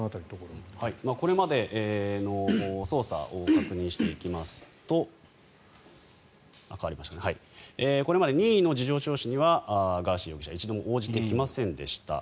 これまでの捜査を確認していきますとこれまで任意の事情聴取にはガーシー容疑者は一度も応じてきませんでした。